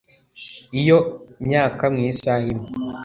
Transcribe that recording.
iyo myaka mu isaha imwe